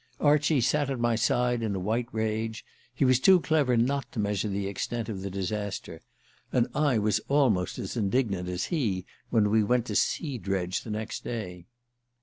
Archie sat at my side in a white rage; he was too clever not to measure the extent of the disaster. And I was almost as indignant as he when we went to see Dredge the next day.